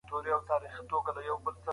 کمپيوټر پاسورډ غواړي.